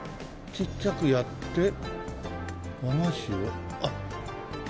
ちっちゃくやって和菓子をあっ。